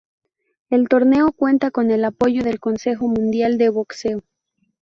El torneo cuenta con el apoyo del Consejo Mundial de Boxeo.